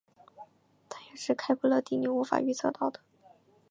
这也是开普勒定律无法预测到的。